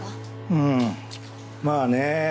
うんまあね。